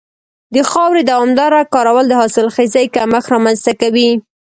د خاورې دوامداره کارول د حاصلخېزۍ کمښت رامنځته کوي.